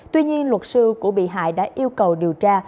tuy nhiên luật sư của bị hại đã yêu cầu điều tra